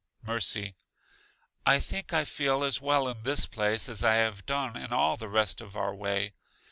Mercy: I think I feel as well in this place as I have done in all the rest of our way.